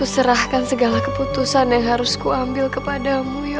terima kasih atas dukungan anda